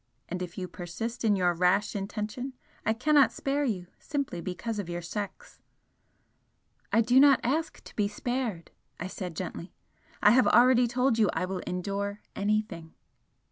and if you persist in your rash intention I cannot spare you simply because of your sex." "I do not ask to be spared," I said, gently "I have already told you I will endure anything."